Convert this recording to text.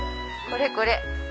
これこれ！